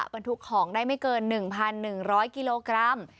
บรรทุกของได้ไม่เกิน๑๑๐๐กิโลกรัม